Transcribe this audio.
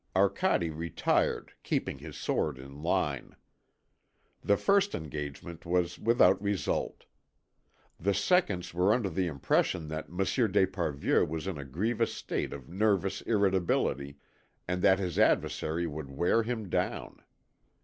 Arcade retired, keeping his sword in line. The first engagement was without result. The seconds were under the impression that Monsieur d'Esparvieu was in a grievous state of nervous irritability, and that his adversary would wear him down.